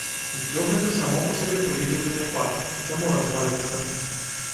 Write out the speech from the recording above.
Усё гэта само па сабе прыйдзе ў заняпад, само разваліцца.